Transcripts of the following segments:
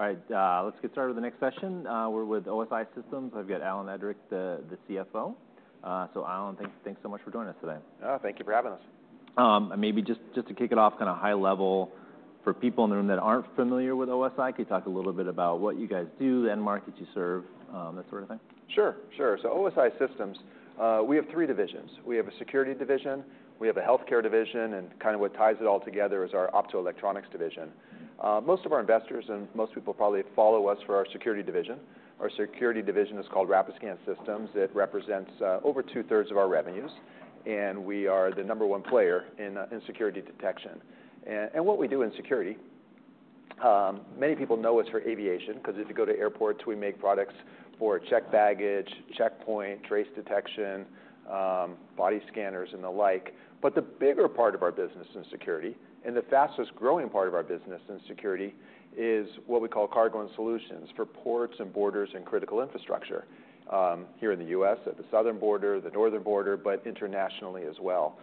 All right, let's get started with the next session. We're with OSI Systems. I've got Alan Edrick, the CFO. So, Alan, thanks so much for joining us today. Thank you for having us. Maybe just to kick it off kind of high level for people in the room that aren't familiar with OSI, could you talk a little bit about what you guys do, the end markets you serve, that sort of thing? Sure, sure. OSI Systems, we have three divisions. We have a security division, we have a healthcare division. Kind of what ties it all together is our optoelectronics division. Most of our investors and most people probably follow us for our security division. Our security division is called Rapiscan Systems. It represents over two thirds of our revenues. We are the number one player in security detection and what we do in security. Many people know us for aviation because if you go to airports, we make products for checked baggage, checkpoint, trace detection, body scanners and the like. The bigger part of our business in security and the fastest growing part of our business in security is what we call cargo and solutions for ports and borders and critical infrastructure. Here in the U.S. at the southern border, the northern border, but internationally as well,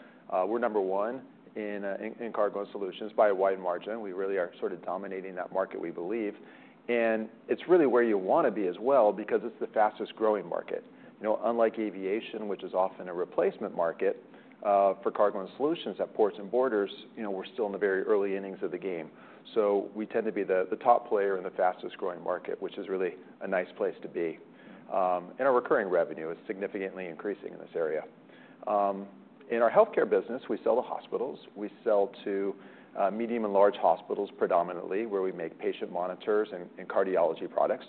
we're number one in cargo and solutions by a wide margin. We really are sort of dominating that market, we believe, and it's really where you want to be as well, because it's the fastest growing market. Unlike aviation, which is often a replacement market, for cargo and solutions at ports and borders, we're still in the very early innings of the game. We tend to be the top player in the fastest growing market, which is really a nice place to be. Our recurring revenue is significantly increasing in this area. In our healthcare business, we sell to hospitals, we sell to medium and large hospitals predominantly where we make patient monitors and cardiology products.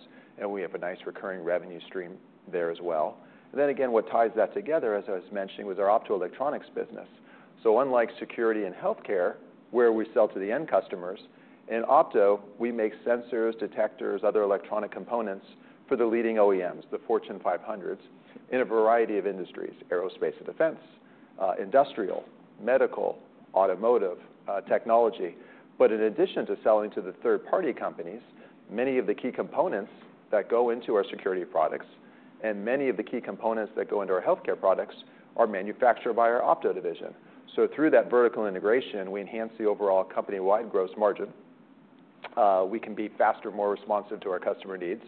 We have a nice recurring revenue stream there as well. What ties that together, as I was mentioning, is our optoelectronics business. Unlike security and healthcare, where we sell to the end customers, in opto, we make sensors, detectors, other electronic components for the leading OEMs, the Fortune 500s in a variety of industries: aerospace and defense, industrial, medical, automotive technology. In addition to selling to the third party companies, many of the key components that go into our security products and many of the key components that go into our healthcare products are manufactured by our opto division. Through that vertical integration, we enhance the overall company wide gross margin. We can be faster, more responsive to our customer needs,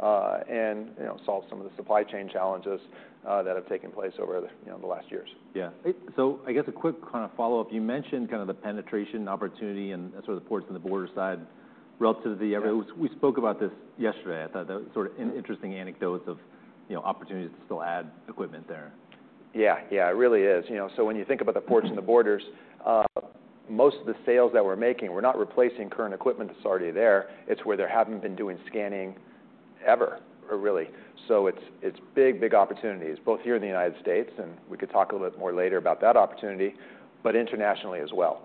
and solve some of the supply chain challenges that have taken place over the last years. Yeah. I guess a quick kind of follow up. You mentioned kind of the penetration opportunity and sort of the ports on the border side relative to the. We spoke about this yesterday. I thought that was sort of interesting anecdotes of, you know, opportunities to still add equipment there. Yeah, yeah, it really is. You know, so when you think about the ports and the borders, most of the sales that we're making, we're not replacing current equipment that's already there. It's where they haven't been doing scanning ever, really. It's big, big opportunities both here in the United States. We could talk a little bit more later about that opportunity, but internationally as well.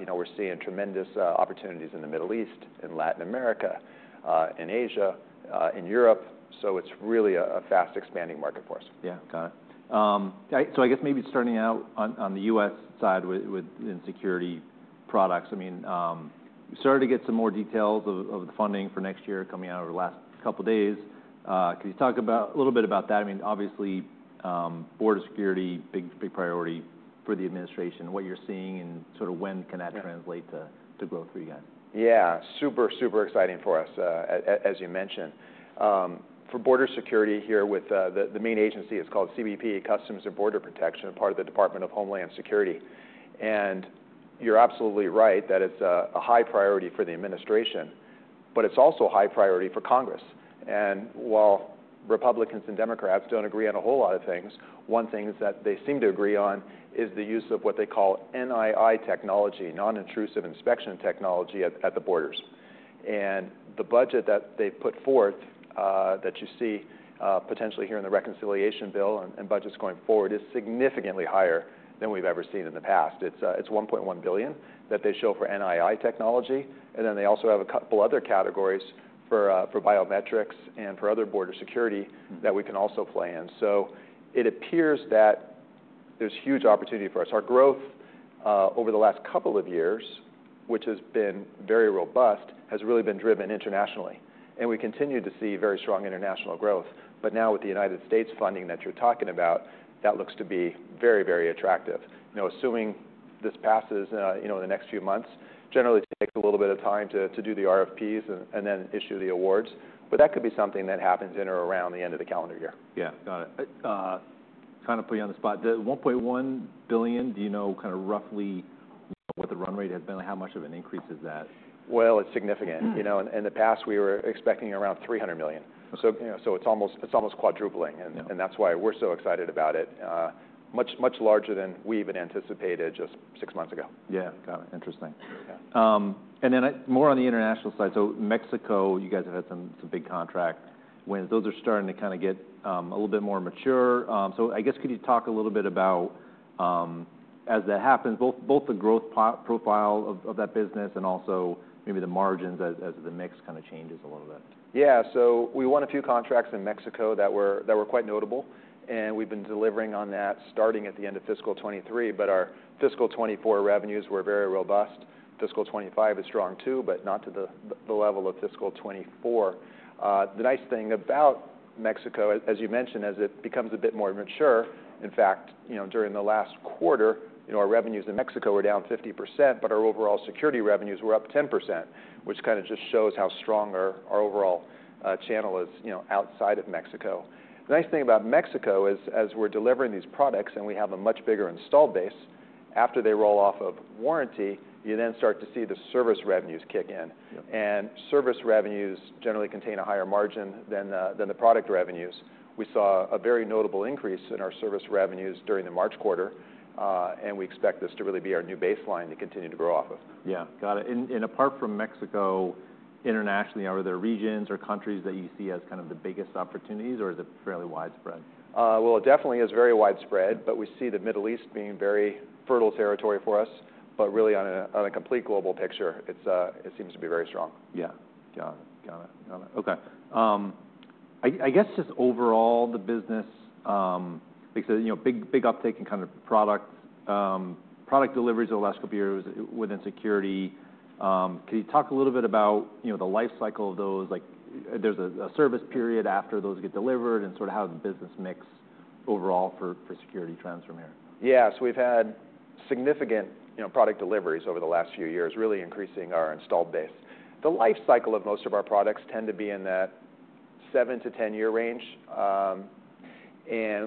You know, we're seeing tremendous opportunities in the Middle East, in Latin America, in Asia, in Europe. It's really a fast expanding market for us. Yeah, got it. I guess maybe starting out on the U.S. side with security products. I mean, we started to get some more details of the funding for next year coming out over the last couple days. Can you talk a little bit about that? I mean, obviously border security, big priority for the administration, what you're seeing and sort of when can that translate to growth for you guys? Yeah, super, super exciting for us, as you mentioned, for border security here with the main agency, it's called CBP, Customs and Border Protection, part of the Department of Homeland Security. You're absolutely right that it's a high priority for the administration, but it's also high priority for Congress. While Republicans and Democrats don't agree on a whole lot of things, one thing that they seem to agree on is the use of what they call NII technology, non intrusive inspection technology at the borders. The budget that they put forth that you see potentially here in the reconciliation bill and budgets going forward is significantly higher than we've ever seen in the past. It's $1.1 billion that they show for NII technology. They also have a couple other categories for biometrics and for other border security that we can also play in. It appears that there's huge opportunity for us. Our growth over the last couple of years, which has been very robust, has really been driven internationally and we continue to see very strong international growth. Now with the United States funding that you're talking about, that looks to be very, very attractive. Assuming this passes in the next few months, it generally takes a little bit of time to do the RFPs and then issue the awards. That could be something that happens in or around the end of the calendar year. Yeah, got it. Trying to put you on the spot. $1.1 billion. Do you know kind of roughly what the run rate has been? How much of an increase is that? It is significant. In the past, we were expecting around $300 million, so it is almost quadrupling. That is why we are so excited about it. Much, much larger than we even anticipated just six months ago. Yeah, got it. Interesting. More on the international side. Mexico, you guys have had some big contract wins. Those are starting to kind of get a little bit more mature. I guess could you talk a little bit about, as that happens, both the growth profile of that business and also maybe the margins as the mix kind of changes a little bit? Yeah, so we won a few contracts in Mexico that were quite notable, and we've been delivering on that starting at the end of fiscal 2023. Our fiscal 2024 revenues were very robust. Fiscal 2025 is strong too, but not to the level of fiscal 2024. The nice thing about Mexico, as you mentioned, as it becomes a bit more mature, in fact, during the last quarter, our revenues in Mexico were down 50%, but our overall security revenues were up 10%, which kind of just shows how strong our overall channel is, you know, outside of Mexico. The nice thing about Mexico is as we're delivering these products and we have a much bigger install base after they roll off of warranty, you then start to see the service revenues kick in. Service revenues generally contain a higher margin than the product revenues. We saw a very notable increase in our service revenues during the March quarter. We expect this to really be our new baseline to continue to grow. Office. Yeah, got it. Apart from Mexico, internationally, are there regions or countries that you see as kind of the biggest opportunities or is it fairly widespread? It definitely is very widespread, but we see the Middle East being very fertile territory for us. But really on a complete global picture, it seems to be very strong. Yeah, okay. I guess just overall, the business, you know, big uptake in kind of product. Product deliveries over the last couple years within security. Can you talk a little bit about the life cycle of those? Like there's a service period after those. Get delivered and sort of how the. Business mix overall for security trends from here? Yes, we've had significant product deliveries over the last few years, really increasing our installed base. The life cycle of most of our products tend to be in that 7-10 year range.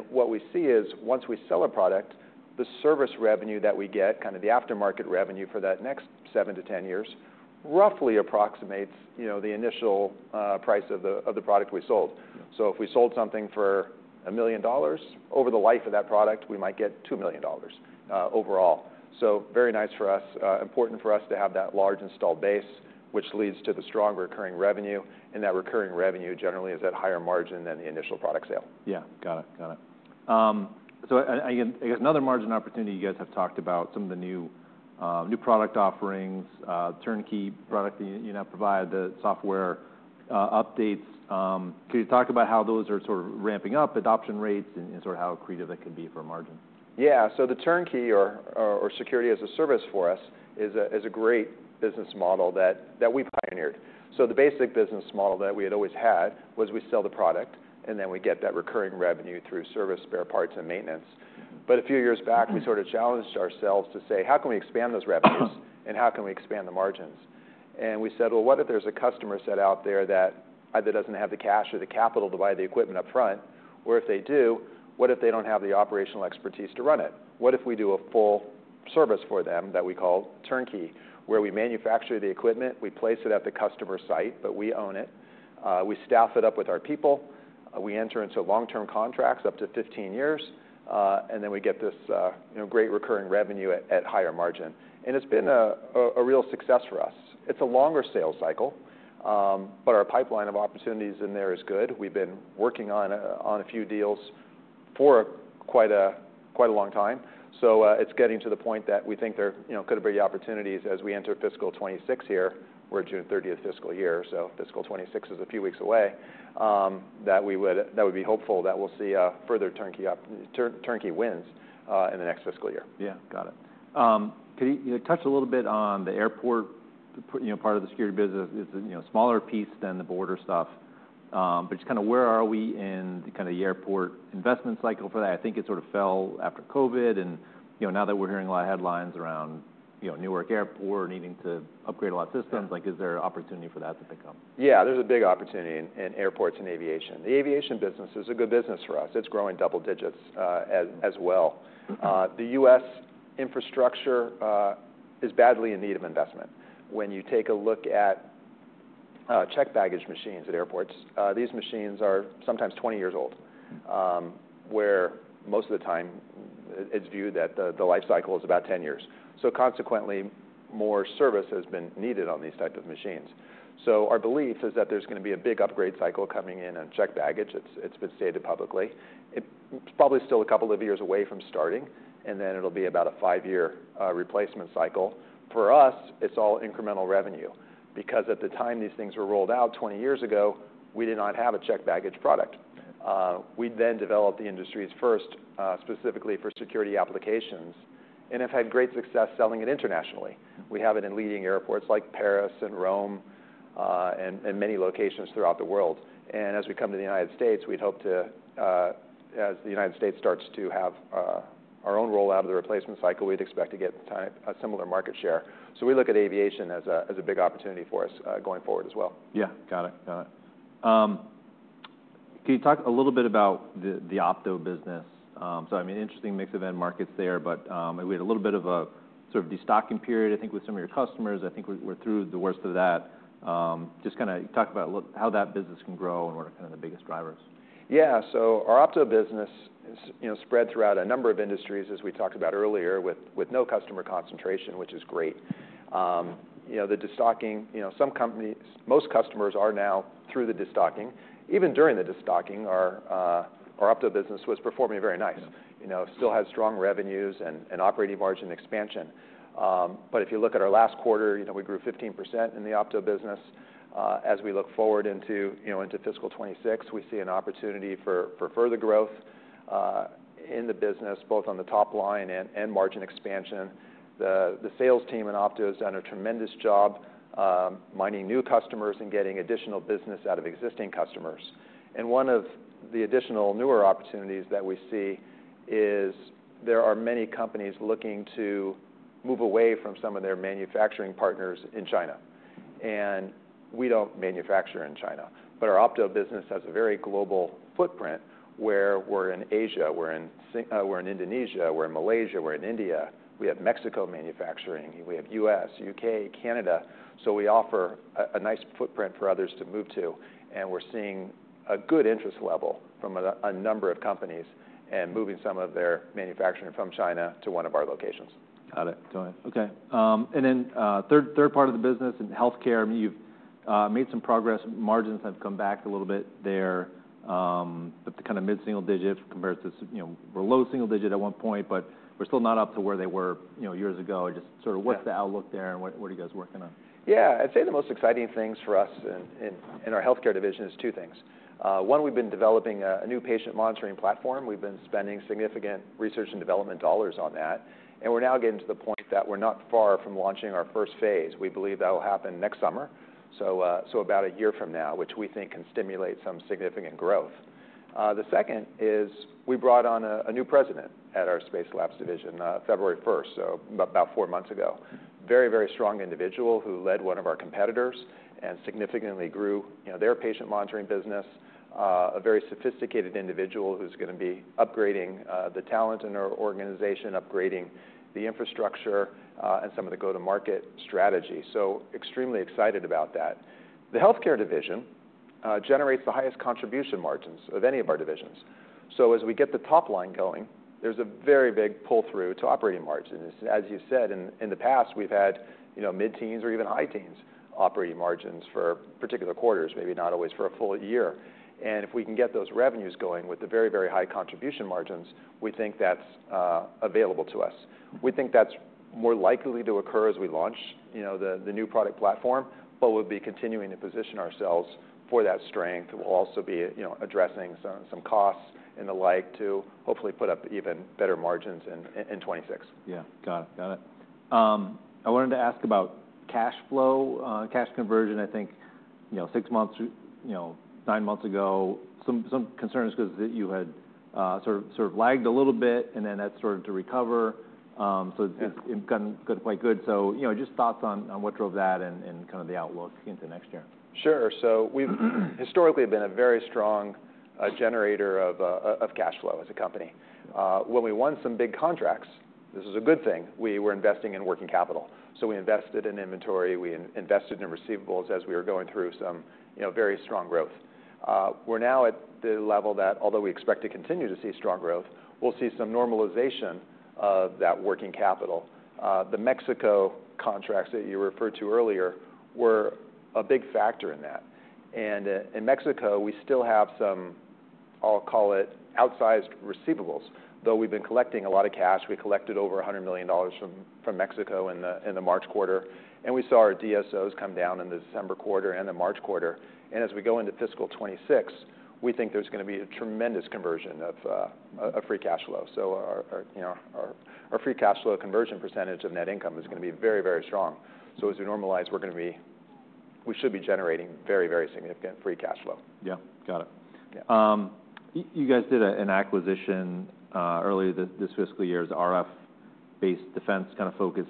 What we see is once we sell a product, the service revenue that we get, kind of the aftermarket revenue for that next 7-10 years, roughly approximates, you know, the initial price of the product we sold. If we sold something for $1 million, over the life of that product, we might get $2 million overall. Very nice for us. Important for us to have that large installed base which leads to the strong recurring revenue. That recurring revenue generally is at higher margin than the initial product sale. Yeah, got it. I guess another margin opportunity. You guys have talked about some of the new product offerings, turnkey product that you now provide, the software updates. Can you talk about how those are sort of ramping up adoption rates and sort of how accretive that can be for margin? Yeah. The turnkey or security as a service for us is a great business model that we pioneered. The basic business model that we had always had was we sell the product and then we get that recurring revenue through service, spare parts, and maintenance. A few years back, we sort of challenged ourselves to say, how can we expand those revenues and how can we expand the margins? We said, what if there's a customer set out there that either doesn't have the cash or the capital to buy the equipment up front, or if they do, what if they don't have the operational expertise to run it? What if we do a full service for them that we call turnkey, where we manufacture the equipment, we place it at the customer site, but we own it, we staff it up with our people, we enter into long term contracts up to 15 years, and then we get this great recurring revenue at higher margin. It's been a real success for us. It's a longer sales cycle, but our pipeline of opportunities in there is good. We've been working on a few deals for quite a long time. It's getting to the point that we think there could be opportunities as we enter fiscal 2026 here. We're June 30, fiscal year. Fiscal 2026 is a few weeks away. That would be hopeful that we'll see further turnkey wins in the next fiscal year. Yeah, got it. Could you touch a little bit on? The airport part of the security business? It's a smaller piece than the border stuff, but just kind of where are we in kind of the airport investment cycle for that? I think it sort of fell after COVID. And now that we're hearing a lot of headlines around, you know, Newark Airport needing to upgrade a lot of systems, like, is there opportunity for that to pick up? Yeah, there's a big opportunity in airports and aviation. The aviation business is a good business for us. It's growing double digits as well. The U.S. infrastructure is badly in need of investment. When you take a look at checked baggage machines at airports, these machines are sometimes 20 years old, where most of the time it's viewed that the life cycle is about 10 years. Consequently, more service has been needed on these types of machines. Our belief is that there's going to be a big upgrade cycle coming in. In checked baggage, it's been stated publicly, it's probably still a couple of years away from starting and then it'll be about a five year replacement cycle for us. It's all incremental revenue because at the time these things were rolled out 20 years ago, we did not have a checked baggage product. We then developed the industry's first specifically for security applications and have had great success selling it internationally. We have it in leading airports like Paris and Rome and many locations throughout the world. As we come to the U.S., we'd hope to, as the U.S. starts to have our own roll out of the replacement cycle, we'd expect to get a similar market share. We look at aviation as a big opportunity for us going forward as well. Yeah, got it. Can you talk a little bit about the opto business? I mean, interesting mix of end markets there, but we had a little bit of a sort of destocking period, I think with some of your customers. I think we're through the worst of that. Just kind of talk about how that business can grow and what are kind of the biggest drivers. Yeah, so our opto business, you know, spread throughout a number of industries as we talked about earlier, with no customer concentration, which is great. You know, the destocking, you know, some companies, most customers are now through the destocking. Even during the destocking, our opto business was performing very nice. You know, still had strong revenues and operating margin expansion. If you look at our last quarter, you know, we grew 15% in the opto business. As we look forward into, you know, into fiscal 2026, we see an opportunity for further growth in the business both on the top line and margin expansion. The sales team in opto has done a tremendous job mining new customers and getting additional business out of existing customers. One of the additional newer opportunities that we see is there are many companies looking to move away from some of their manufacturing partners in China. We do not manufacture in China. Our opto business has a very global footprint. We are in Asia, we are in Indonesia, we are in Malaysia, we are in India, we have Mexico manufacturing, we have U.S., U.K., Canada. We offer a nice footprint for. Others to move to. We're seeing a good interest level from a number of companies and moving some of their manufacturing from China to one of our locations. Got it. Okay. And then third part of the business in healthcare, you've made some progress. Margins have come back a little bit there, kind of mid single digit compared to, you know, below single digit at one point. We're still not up to where they were, you know, years ago. Just sort of what's the outlook there and what are you guys working on? Yeah, I'd say the most exciting things for us in our Healthcare division is two things. One, we've been developing a new patient monitoring platform. We've been spending significant research and development dollars on that. We're now getting to the point that we're not far from launching our first phase. We believe that will happen next summer, so about a year from now, which we think can stimulate some significant growth. The second is we brought on a new president at our Spacelabs division February first, so about four months ago, very, very strong individual who led one of our competitors and significantly grew their patient monitoring business. A very sophisticated individual who's going to be upgrading the talent in our organization, upgrading the infrastructure and some of the go to market strategy. Extremely excited about that. The Healthcare division generates the highest contribution margins of any of our divisions. As we get the top line going, there's a very big pull through to operating margins. As you said, in the past, we've had, you know, mid teens or even high teens operating margins for particular quarters, maybe not always for a full year. If we can get those revenues going with the very, very high contribution margins, we think that's available to us. We think that's more likely to occur as we launch, you know, the new product platform. We'll be continuing to position ourselves for that strength. We'll also be, you know, addressing some costs and the like to hopefully put up even better margins in 2026. Yeah, got it. I wanted to ask about cash flow, cash conversion. I think, you know, six months, you know, nine months ago, some concerns because you had sort of lagged a little bit and then that started to recover. So it's quite good. So just thoughts on what drove that and kind of the outlook into next year. Sure. We've historically been a very strong generator of cash flow as a company. When we won some big contracts, this is a good thing. We were investing in working capital. We invested in inventory, we invested in receivables. As we were going through some very strong growth. We're now at the level that although we expect to continue to see strong growth, we'll see some normalization of that working capital. The Mexico contracts that you referred to earlier were a big factor in that. In Mexico we still have some, I'll call it outsized receivables. Though we've been collecting a lot of cash. We collected over $100 million from Mexico in the March quarter. We saw our DSOs come down in the December quarter and the March quarter. As we go into fiscal 2026, we think there's going to be a tremendous conversion of free cash flow. You know, our free cash flow conversion percentage of net income is going to be very, very strong. As we normalize, we should be generating very, very significant free cash flow. Yeah, got it. You guys did an acquisition earlier this fiscal year. Is RF-based defense kind of focused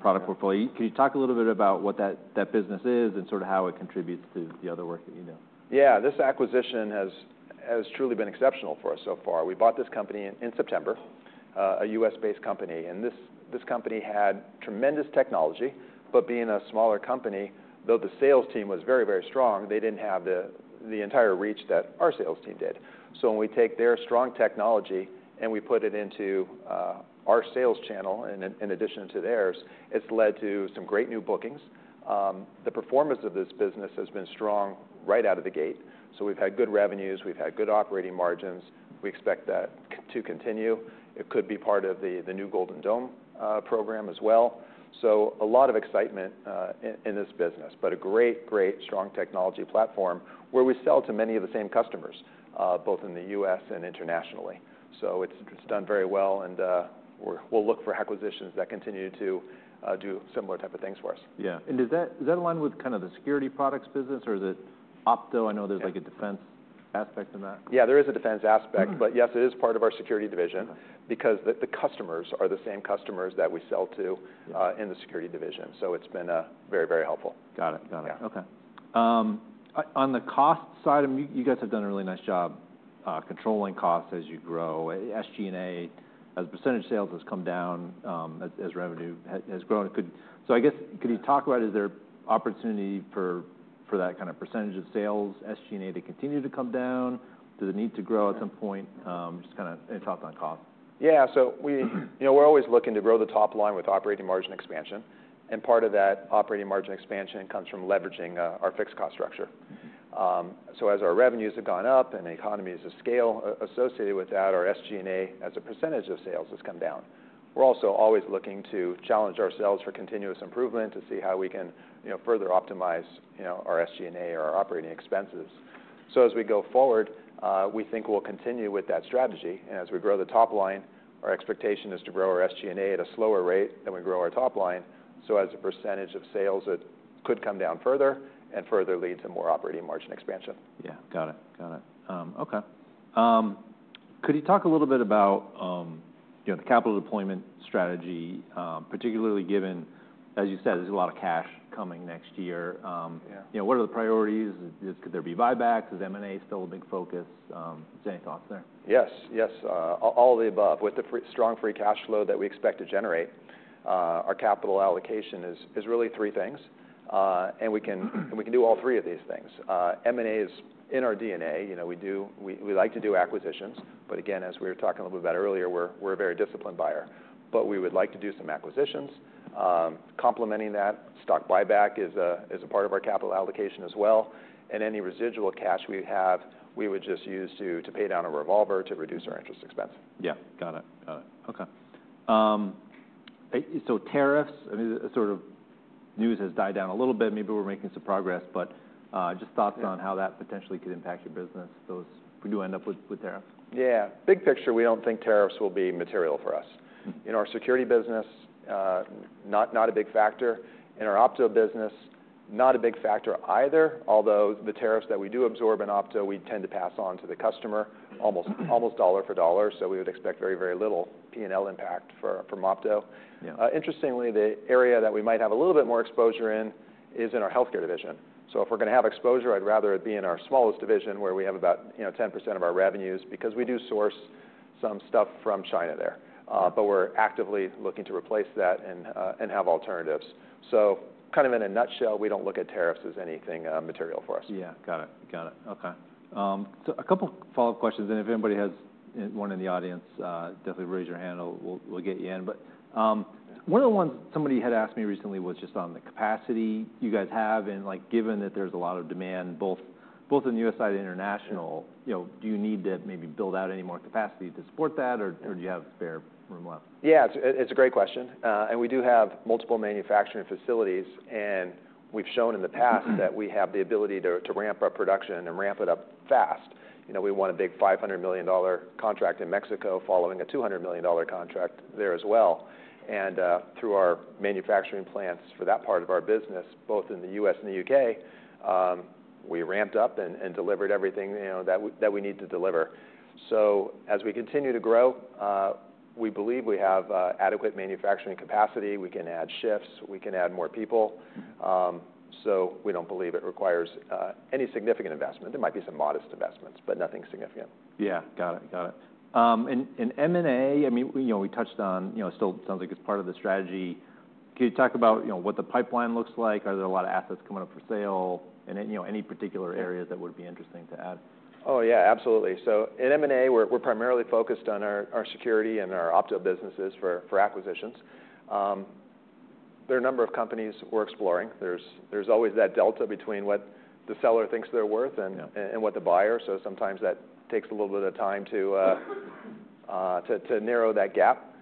product portfolio. Can you talk a little bit about what that business is and sort of how it contributes to the other work that you do? Yeah, this acquisition has truly been exceptional. For us so far. We bought this company in September, a US-based company, and this company had tremendous technology. But being a smaller company, though the sales team was very, very strong, they didn't have the entire reach that our sales team did. When we take their strong technology and we put it into our sales channel in addition to theirs, it's led to some great new bookings. The performance of this business has been strong right out of the gate. We've had good revenues, we've had good operating margins. We expect that to continue. It could be part of the new Golden Dome program as well. A lot of excitement in this business, but a great, great strong technology platform where we sell to many of the same customers both in the U.S. and internationally. It's done very well. We'll look for acquisitions that continue to do similar type of things for us. Yeah. Does that align with kind of the security products business or is it opto? I know there's like a defense aspect in that. Yeah, there is a defense aspect, but yes, it is part of our Security division because the customers are the same, same customers that we sell to in the Security division. So it's been very, very helpful. Got it, got it. Okay. On the cost side, you guys have done a really nice job controlling costs as you grow. SG&A as a percentage of sales has come down as revenue has grown. So I guess could you talk about, is there opportunity for that kind of percentage of sales, SG&A to continue to come down? Does it need to grow at some point? Just kind of. Any thoughts on cost? Yeah, so we, you know, we're always looking to grow the top line with operating margin expansion, and part of that operating margin expansion comes from leveraging our fixed cost structure. As our revenues have gone up and economies of scale associated with that, our SG&A as a percentage of sales has come down. We're also always looking to challenge ourselves for continuous improvement to see how we can, you know, further optimize, you know, our SG&A or our operating expense. As we go forward, we think we'll continue with that strategy. As we grow the top line, our expectation is to grow our SG&A at a slower rate than we grow our top line. As a percentage of sales, it could come down further and further lead to more operating margin expansion. Yeah, got it. Okay. Could you talk a little bit about, you know, the capital deployment strategy, particularly given, as you said, there's a lot of cash coming next year? You know, what are the priorities? Could there be buybacks? Is M&A still a big focus? Any thoughts there? Yes, yes, all the above. With the strong free cash flow that we expect to generate, our capital allocation is really three things. We can do all three of these things. M&A is in our DNA. You know, we do. We like to do acquisitions, but again, as we were talking a little about earlier, we're a very disciplined buyer, but we would like to do some acquisitions complementing that. Stock buyback is a part of our capital allocation as well. Any residual cash we have, we would just use to pay down a revolver to reduce our interest expense. Yeah, got it. Okay. Tariffs, I mean, sort of news has died down a little bit. Maybe we're making some progress. Just thoughts on how that potentially could impact your business, those we do end up with tariffs. Yeah, big picture, we don't think tariffs will be material for us in our security business. Not a big factor in our opto business. Not a big factor either. Although the tariffs that we do absorb in opto, we tend to pass on to the customer almost dollar for dollar. So we would expect very, very little P&L impact from opto. Interestingly, the area that we might have a little bit more exposure in is in our healthcare division. If we're going to have exposure, I'd rather it be in our smallest division where we have about 10% of our revenues because we do source some stuff from China there, but we're actively looking to replace that and have alternatives. Kind of in a nutshell, we don't look at tariffs as anything material for us. Yeah, got it. Okay, a couple follow up questions and if anybody has one in the audience, definitely raise your hand. We'll get you in. One of the ones somebody had asked me recently was just on the capacity you guys have. Given that there's a lot of demand, both in the U.S. side and international, do you need to maybe build out any more capacity to support that or do you have spare room left? Yeah, it's a great question. We do have multiple manufacturing facilities and we've shown in the past that we have the ability to ramp up production and ramp it up fast. You know, we won a big $500 million contract in Mexico following a $200 million contract there as well. Through our manufacturing plants for that part of our business, both in the U.S. and the U.K., we ramped up and delivered everything that we need to deliver. As we continue to grow, we believe we have adequate manufacturing capacity, we can add shifts, we can add more people. We don't believe it requires any significant investment. There might be some modest investments, but nothing significant. Yeah, got it. M&A, I mean, we touched on. Still sounds like it's part of the strategy. Can you talk about what the pipeline looks like? Are there a lot of assets coming up for sale and any particular area that would be interesting to add? Oh, yeah, absolutely. At M&A, we're primarily focused on our security and our opto businesses. For acquisitions, there are a number of companies we're exploring. There's always that delta between what the seller thinks they're worth and what the buyer. Sometimes that takes a little bit. Of time to. To narrow that gap.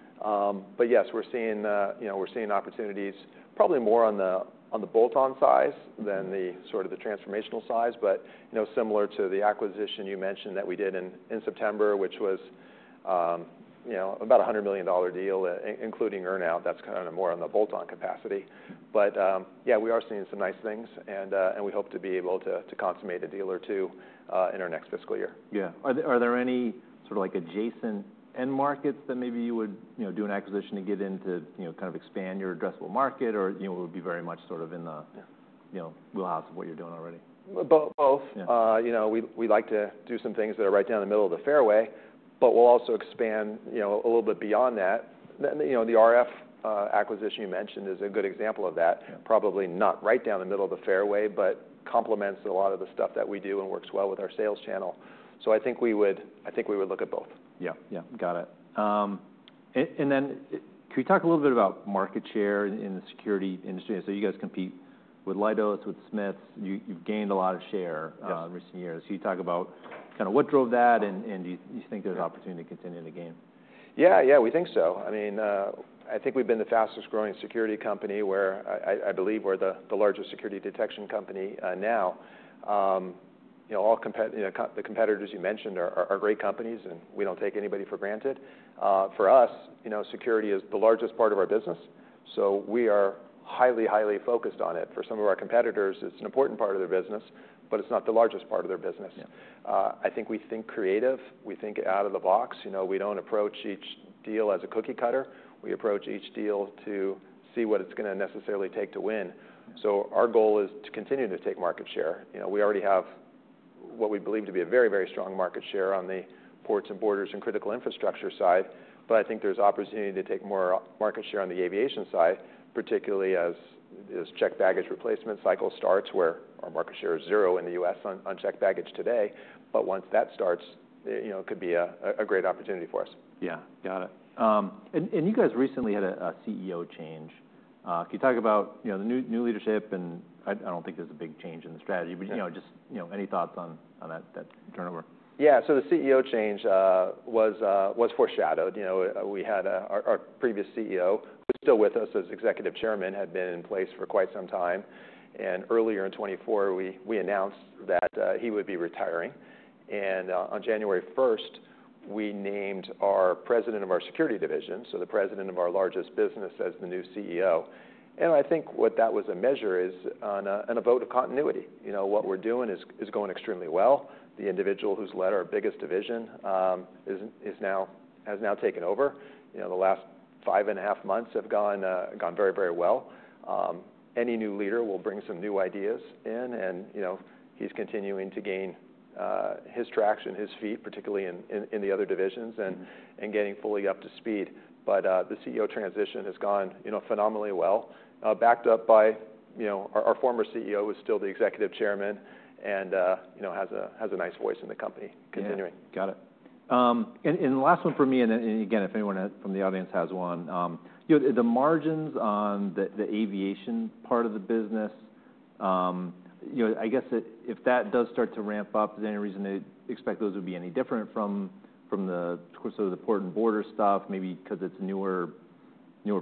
Yes, we're seeing, you know, we're seeing opportunities probably more on the bolt-on size than the sort of the transformational size. You know, similar to the acquisition you mentioned that we did in September, which was, you know, about $100 million deal including earnout, that's kind of more on the bolt-on capacity. Yeah, we are seeing some nice things and we hope to be able to consummate a deal or two in our next fiscal year. Yeah. Are there any sort of like adjacent end markets that maybe you would do an acquisition to get into, kind of expand your addressable market, or it would be very much sort of in the wheelhouse of what you're doing already? Both. We like to do some things that are right down the middle of the fairway, but we'll also expand a little bit beyond that. The RF acquisition you mentioned is a good example of that. Probably not right down the middle of the fairway, but complements a lot of the stuff that we do and works well with our sales channel. I think we would look at both. Yeah, yeah, got it. Can we talk a little bit about market share in the security industry? You guys compete with Leidos, with Smiths. You've gained a lot of share in recent years. Can you talk about kind of what drove that? Do you think there's opportunity to continue the gain? Yeah, yeah, we think so. I mean, I think we've been the fastest growing security company where I believe we're the largest security detection company. Now. You know, all the competitors you mentioned are great companies and we don't take anybody for granted. For us, you know, security is the largest part of our business, so we are highly, highly focused on it. For some of our competitors, it's an important part of their business, but it's not the largest part of their business. I think we think creative, we think out of the box. We don't approach each deal as a cookie cutter. We approach each deal to see what it's going to necessarily take to win. Our goal is to continue to take market share. We already have what we believe to be a very, very strong market share on the ports and borders and critical infrastructure side. I think there's opportunity to take more market share on the aviation side, particularly as checked baggage replacement cycle starts, where our market share is zero in the U.S. on checked baggage today. But. Once that starts, it could be a great opportunity for us. Yeah, got it. You guys recently had a CEO change. Can you talk about the new leadership? I do not think there is a big change in the strategy, but just any thoughts on that turnover? Yeah. The CEO change was foreshadowed. We had our previous CEO, who's still with us as Executive Chairman, had been in place for quite some time. Earlier in 2024 we announced that he would be retiring. On January first, we named our President of our Security division, so the President of our largest business, as the new CEO. I think what that was a measure of is a vote of continuity. You know, what we're doing is going extremely well. The individual who's led our biggest division has now taken over. The last five and a half months have gone very, very well. Any new leader will bring some new ideas in and, you know, he's continuing to gain his traction, his feet, particularly in the other divisions and getting fully up to speed. The CEO transition has gone, you know, phenomenally well, backed up by, you know, our former CEO is still the Executive Chairman and, you know, has a nice voice in the company continuing. Got it. The last one for me. Again, if anyone in the audience has one, the margins on the aviation part of the business, I guess if that does start to ramp up, is there any reason to expect those would be any different from the port and border stuff? Maybe because it is newer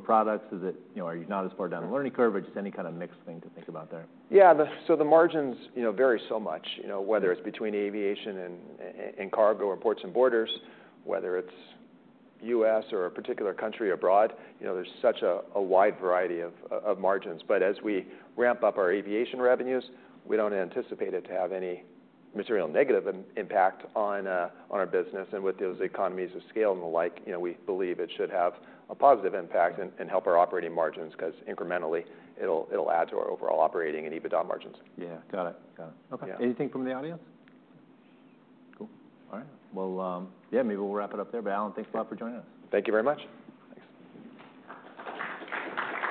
products. Are you not as far down the learning curve or just any kind of mix thing to think about there? Yeah. The margins vary so much, whether it's between aviation and in cargo and ports and borders, whether it's U.S. or a particular country abroad, you know, there's such a wide variety of margins. As we ramp up our aviation revenues, we don't anticipate it to have any material negative impact on our business. With those economies of scale and the like, you know, we believe it should have a positive impact and help our operating margins because incrementally, it'll add to our overall operating and EBITDA margins. Yeah, got it. Okay. Anything from the audience? Cool. All right. Yeah, maybe we'll wrap it up there. But, Alan, thanks a lot for joining us. Thank you very much.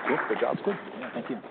Thanks. Good job. Thank you.